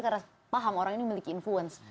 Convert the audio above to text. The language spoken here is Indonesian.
karena paham orang ini memiliki influence